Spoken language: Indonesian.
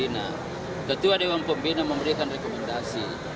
nah ketua dewan pembina memberikan rekomendasi